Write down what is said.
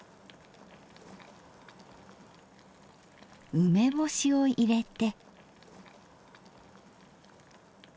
梅干しを入れて。